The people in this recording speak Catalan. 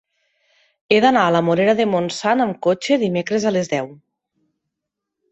He d'anar a la Morera de Montsant amb cotxe dimecres a les deu.